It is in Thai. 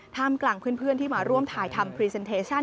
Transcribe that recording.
กลางเพื่อนที่มาร่วมถ่ายทำพรีเซนเทชั่น